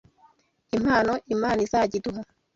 impano Imana izajya iduha